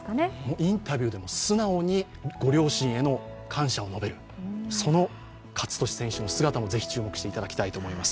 インタビューでも素直にご両親への感謝を述べるその勝利選手の姿もぜひ注目していただきたいと思います。